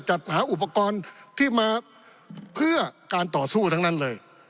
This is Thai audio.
จัดหาอุปกรณ์ที่มาเพื่อการต่อสู้ทั้งนั้นเลย